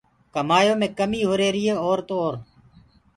ڪمآيو مي ڪميٚ هُريهريٚ ئي اور تو اور